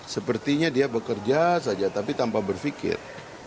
sepertinya dia bekerja saja tapi tanpa berpikir